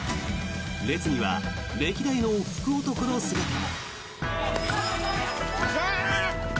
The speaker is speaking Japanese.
列には歴代の福男の姿も。